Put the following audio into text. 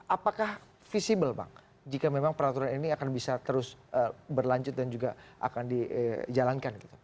apakah visible bang jika memang peraturan ini akan bisa terus berlanjut dan juga akan dijalankan gitu